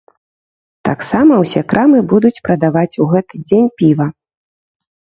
Таксама ўсе крамы будуць прадаваць у гэты дзень піва.